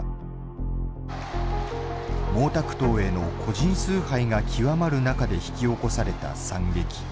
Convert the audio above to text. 毛沢東への個人崇拝が極まる中で引き起こされた惨劇。